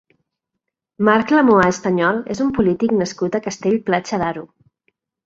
Marc Lamuà Estañol és un polític nascut a Castell-Platja d'Aro.